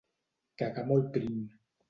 Cagar molt prim.